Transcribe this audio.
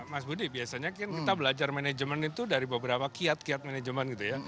mas budi biasanya kan kita belajar manajemen itu dari beberapa kiat kiat manajemen gitu ya